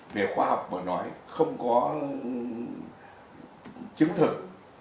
về khoa học mà nói không có chứng thực